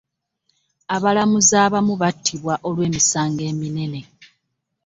Abalamuzi abamu battibwa olwemisango eminene